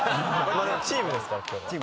チームですから今日は。